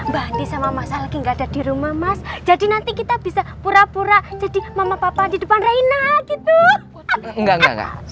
tapi sayangnya kamu adalah perempuan yang gak pernah puas